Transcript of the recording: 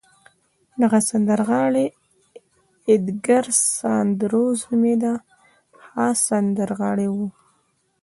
دغه سندرغاړی اېدګر ساندرز نومېده، ښه سندرغاړی و.